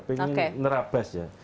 pengennya nerabas ya